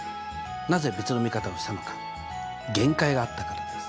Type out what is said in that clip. なぜ別の見方をしたのか限界があったからです。